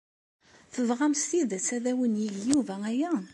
Tebɣam s tidet ad awen-yeg Yuba aya?